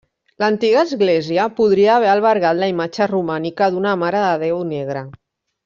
L'antiga església podria haver albergat la imatge romànica d'una Mare de Déu negra.